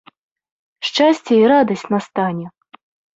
Шчасце і радасць настане!